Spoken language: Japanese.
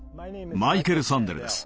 マイケル・サンデルです。